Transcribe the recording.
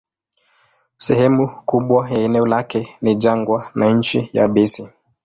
Sehemu kubwa ya eneo lake ni jangwa na nchi yabisi.